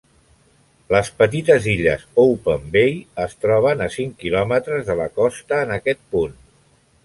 Les petites illes Open Bay es troben a cinc quilòmetres de la costa en aquest punt.